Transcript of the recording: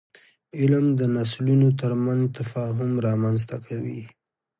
علم د نسلونو ترمنځ تفاهم رامنځته کوي.